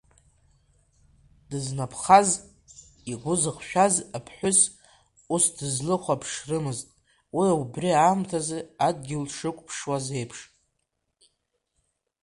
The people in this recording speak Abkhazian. Дызнаԥхаз, игәы зыхшәаз аԥҳәыс ус дызлыхәаԥшрымызт уи убри аамҭазы адгьыл дшықәԥшуаз еиԥш.